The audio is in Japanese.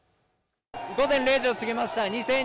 午前０時をすぎました。